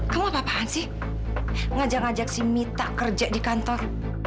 kamu ngapain sih ngajak ngajak si mita kerja di kantor